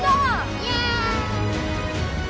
イェーイ！